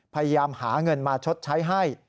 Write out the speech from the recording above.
พยายามหาเงินมาชดใช้ให้